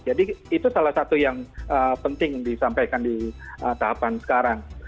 jadi itu salah satu yang penting disampaikan di tahapan sekarang